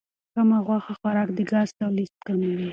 کم غوښه خوراک د ګاز تولید کموي.